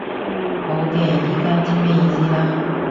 好嘅，依家知咩意思啦